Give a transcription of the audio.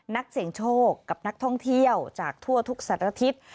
นักเสี่ยงโชคกับนักท่องเที่ยวจากทั่วทุกสัตว์ทิศ